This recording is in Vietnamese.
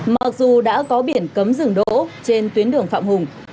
mặc dù đã có biển cấm rừng đỗ trên tuyến đường phạm hùng